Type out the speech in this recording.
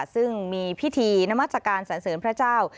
ซึ่งมีพิธีนามัศกาลสันเสริมพระเจ้า